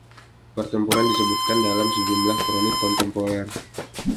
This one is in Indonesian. Pertempuran disebutkan dalam sejumlah kronik kontemporer.